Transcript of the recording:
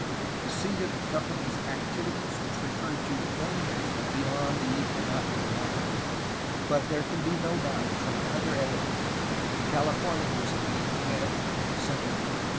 The seat of the company's activities was referred to only as "bayonde the equynoctyall lyne," but there can be doubt from other evidence that California was to be the head and centre of the plan.